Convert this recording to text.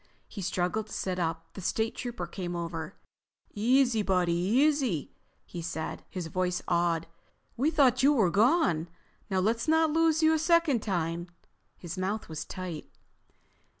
He struggled to sit up. The State Trooper came over. "Easy, buddy, easy," he said, his voice awed. "We thought you were gone. Now let's not lose you a second time." His mouth was tight.